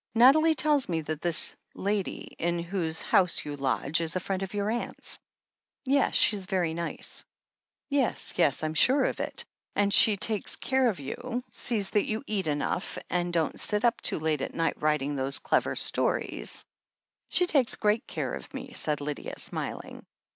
Nathalie tells me that this lady, in whose house you lodge, is a friend of your aunt's ?*' "Yes. She's very nice." "Yes — ^yes. I am sure of it. And she takes care of you — sees that you eat enough, and don't sit up too late at night writing those clever stories ?" THE HEEL OF ACHILLES 285 "She takes great care of me," said Lydia, smiling.